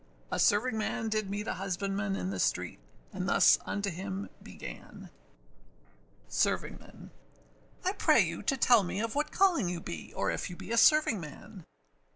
A servingman did meet a husbandman in the street, And thus unto him began: SERVINGMAN. I pray you tell to me of what calling you be, Or if you be a servingman?